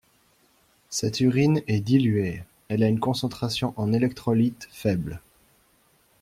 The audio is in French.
Cette urine est diluée, elle a une concentration en électrolytes faible.